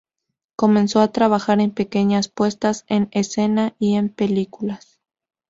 Comenzó a trabajar en pequeñas puestas en escena y en películas.